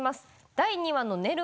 第２話の寝る